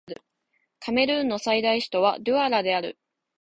カメルーンの最大都市はドゥアラである